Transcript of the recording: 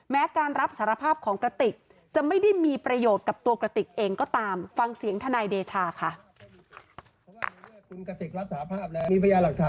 การรับสารภาพของกระติกจะไม่ได้มีประโยชน์กับตัวกระติกเองก็ตามฟังเสียงทนายเดชาค่ะ